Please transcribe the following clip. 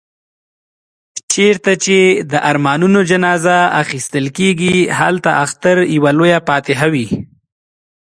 چيري چي د ارمانونو جنازې اخيستل کېږي، هلته اختر يوه لويه فاتحه وي.